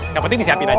yang penting siapin aja